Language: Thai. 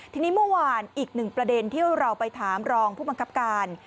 ทีนี้เมื่อวานอีกหนึ่งประเด็นที่เราไปถามรองผู้บังคับการ